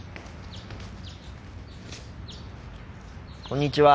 こんにちは。